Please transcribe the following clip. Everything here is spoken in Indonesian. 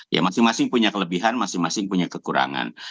ya masing masing punya kelebihan masing masing punya kekurangan